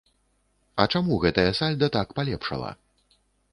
А чаму гэтае сальда так палепшала?